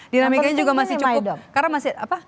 dinamikanya juga masih cukup